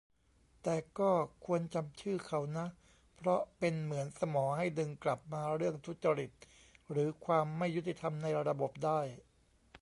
แต่ก็ควรจำชื่อเขานะ เพราะเป็นเหมือนสมอให้ดึงกลับมาเรื่องทุจริตหรือความไม่ยุติธรรมในระบบได้